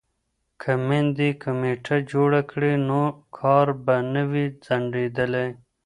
که میندې کمیټه جوړه کړي نو کار به نه وي ځنډیدلی.